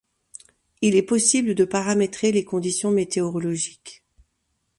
Il est possible de paramétrer les conditions météorologiques.